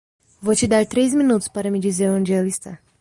Vou te dar três minutos para me dizer onde ela está.